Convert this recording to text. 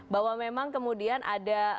bahwa memang kemudian ada